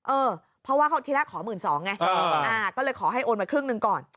เออเพราะว่าที่แรกขอ๑๒๐๐ไงก็เลยขอให้โอนมาครึ่งหนึ่งก่อน